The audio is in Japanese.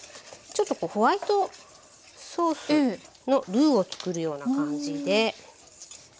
ちょっとホワイトソースのルーを作るような感じで。